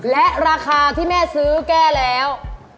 และราคาที่แม่ซื้อแก้แล้ว